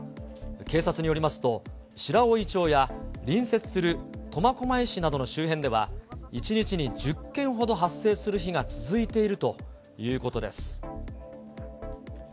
警察によりますと、白老町や隣接する苫小牧市などの周辺では、１日に１０件ほど発生する日が続いているということです。